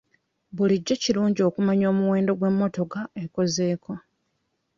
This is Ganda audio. Bulijjo kirungi okumanya omuwendo gw'emmotoka ekozeeko.